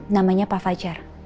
namanya pak fajar